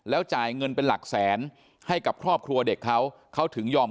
จ่ายเงินเป็นหลักแสนให้กับครอบครัวเด็กเขาเขาถึงยอม